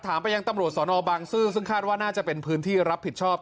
ไปยังตำรวจสนบางซื่อซึ่งคาดว่าน่าจะเป็นพื้นที่รับผิดชอบ